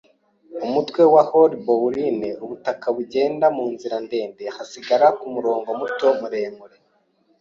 Umutwe wa Haulbowline, ubutaka bugenda munzira ndende, hasigara kumurongo muto muremure